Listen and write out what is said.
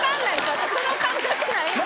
私その感覚ないんで。